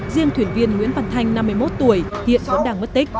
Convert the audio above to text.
riêng thuyền viên nguyễn văn thanh năm mươi một tuổi hiện vẫn đang mất tích